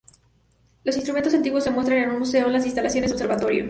Los instrumentos antiguos se muestran en un museo en las instalaciones del observatorio.